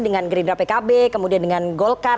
dengan gerindra pkb kemudian dengan golkar